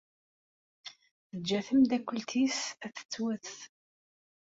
Teǧǧa tameddakelt-nnes ad tettwet.